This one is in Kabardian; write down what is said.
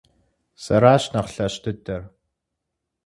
Сэращ нэхъ лъэщ дыдэр!